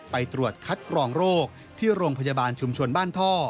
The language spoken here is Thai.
ไปตรวจคัดกรองโรคที่โรงพยาบาลชุมชนบ้านท่อ